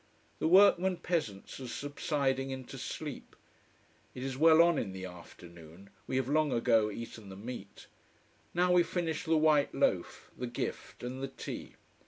The workmen peasants are subsiding into sleep. It is well on in the afternoon, we have long ago eaten the meat. Now we finish the white loaf, the gift, and the tea.